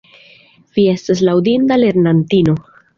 Vi estas laŭdinda lernantino!